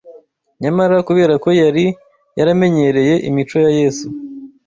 Nyamara kubera ko yari yaramenyereye imico ya Yesu